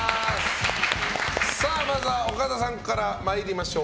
まずは岡田さんから参りましょう。